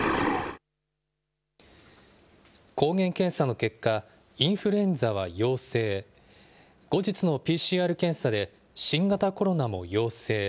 結果、インフルエンザは陽性、後日のＰＣＲ検査で新型コロナも陽性。